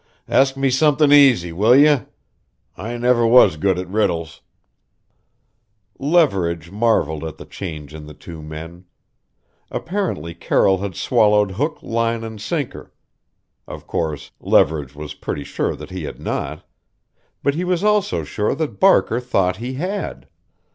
"Huh! Ask me somethin' easy, will you? I never was good at riddles." Leverage marveled at the change in the two men. Apparently Carroll had swallowed hook, line, and sinker. Of course, Leverage was pretty sure that he had not; but he was also sure that Barker thought he had.